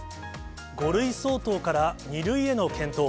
５類相当から２類への検討。